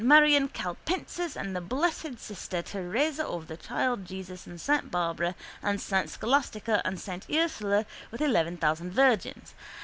Marion Calpensis and the Blessed Sister Teresa of the Child Jesus and S. Barbara and S. Scholastica and S. Ursula with eleven thousand virgins.